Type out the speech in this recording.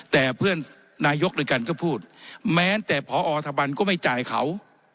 แต่เพื่อนนายกด้วยกันก็พูดแม้แต่พอทะบันก็ไม่จ่ายเขา